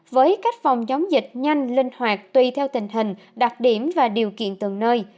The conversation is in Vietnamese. với cách phòng chống dịch nhanh linh hoạt tùy theo tình hình đặc điểm và điều kiện từng nơi